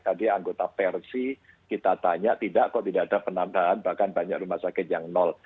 tadi anggota persi kita tanya tidak kok tidak ada penambahan bahkan banyak rumah sakit yang nol